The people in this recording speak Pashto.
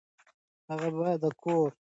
هغه باید د کور ودانولو هتکړۍ ورواچوي.